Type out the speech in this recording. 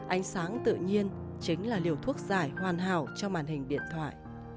ánh sáng tự nhiên chính là liều thuốc giải hoàn hảo cho màn hình điện thoại